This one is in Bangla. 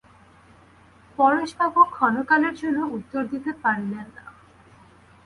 পরেশবাবু ক্ষণকালের জন্য উত্তর দিতে পারিলেন না।